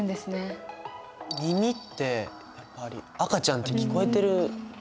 耳ってやっぱり赤ちゃんって聞こえてるんですか？